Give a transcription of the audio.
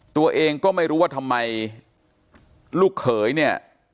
ตัวเองก็ไม่รู้ว่าทำไมลูกเขยเนี่ย